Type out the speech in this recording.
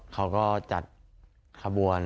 เขาก็จัดขบวน